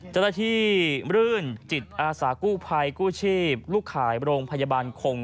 จฎฐีรื่นจิตอาสากุภัยกู้ชีพลูกข่ายบรมพยาบาลคง